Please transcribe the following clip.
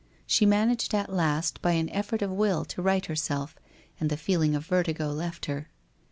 She managed at last by an effort of will to right herself, and the feeling of vertigo left her.